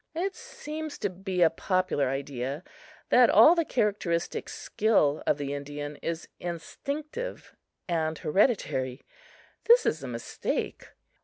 It seems to be a popular idea that all the characteristic skill of the Indian is instinctive and hereditary. This is a mistake.